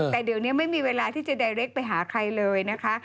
แต่เดี๋ยวนี้ไม่มีเวลาที่จะใดเล็กไปหาใครเลยนะคะ